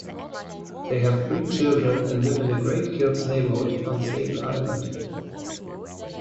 They have three children and live in the Great Kills neighborhood on Staten Island.